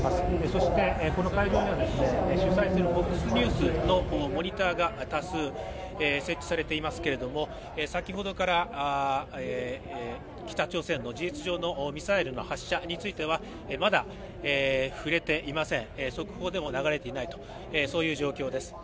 そしてこの会場には主催するＦＯＸニュースのモニターが多数設置されていますけれども、先ほどから北朝鮮の事実上のミサイルの発射については、まだ触れていません、速報でも流れていないという状況です。